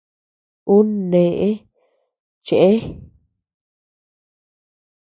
Uu neʼë chëe.